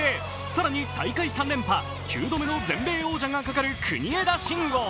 更に大会３連覇、９度目の全米王者がかかる国枝慎吾。